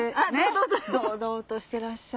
堂々としてらっしゃる。